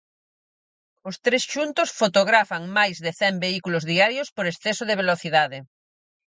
Os tres xuntos fotografan máis de cen vehículos diarios por exceso de velocidade.